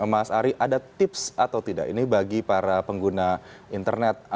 mas ari ada tips atau tidak ini bagi para pengguna internet